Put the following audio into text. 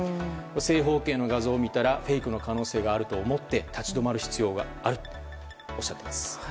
正方形の画像を見たらフェイクの可能性があると思って立ち止まる必要があるとおっしゃっています。